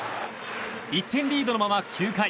１点リードのまま９回。